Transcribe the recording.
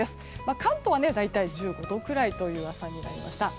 関東は大体１５度ぐらいという朝になりました。